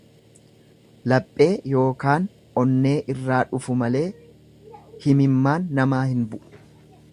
Laphee yookaan onnee irraa dhufu malee himimmaan namaa hin bu'u.